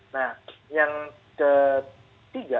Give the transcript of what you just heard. nah yang ketiga